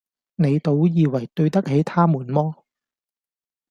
你倒以爲對得起他們麼？”